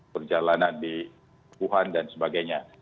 perjalanan di wuhan dan sebagainya